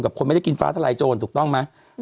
คนไม่ได้กินฟ้าทลายโจรถูกต้องไหม